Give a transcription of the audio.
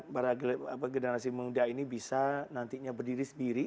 para generasi muda ini bisa nantinya berdiri sendiri